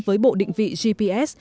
với bộ định vị gps